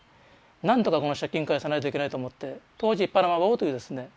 なんとかこの借金返さないといけないと思って当時パナマ帽というですね